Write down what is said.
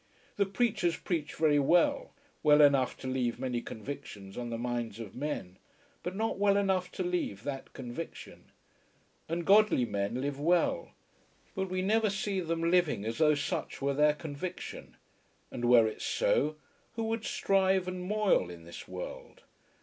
The preachers preach very well, well enough to leave many convictions on the minds of men; but not well enough to leave that conviction. And godly men live well, but we never see them living as though such were their conviction. And were it so, who would strive and moil in this world?